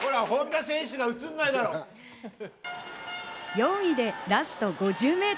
４位でラスト５０ｍ。